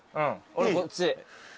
俺こっち。